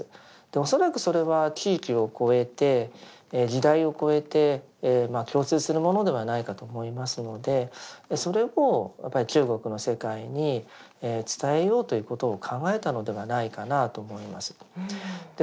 恐らくそれは地域を超えて時代を超えて共通するものではないかと思いますのでそれをやっぱり中国の世界に伝えようということを考えたのではないかなあと思います。